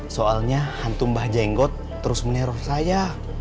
soalnya hantu mbah jenggot terus meneror saya